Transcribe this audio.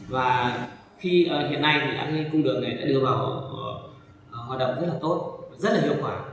và khi hiện nay thì đã cái cung đường này đã đưa vào hoạt động rất là tốt rất là hiệu quả